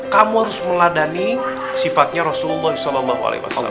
kamu harus meladani sifatnya rasulullah saw